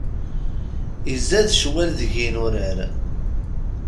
Izad ccwal deg yinurar.